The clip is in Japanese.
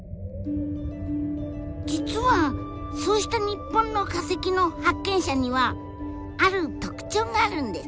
実はそうした日本の化石の発見者にはある特徴があるんです。